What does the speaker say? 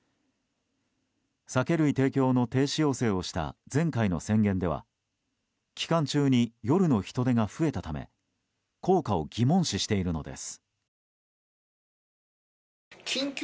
酒類提供の停止要請をした前回の宣言では期間中によるの人出が増えたため効果を疑問視しているのです。